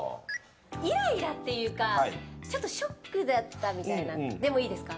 イライラっていうかちょっとショックだったみたいなのでもいいですか？